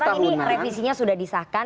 karena ini revisinya sudah disahkan